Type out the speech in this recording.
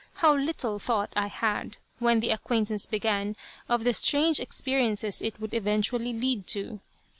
How little thought I had, when the acquaintance began, of the strange experiences it would eventually lead to!